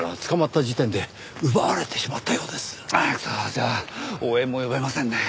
じゃあ応援も呼べませんね。